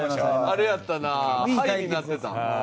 あれやったなハイになってた。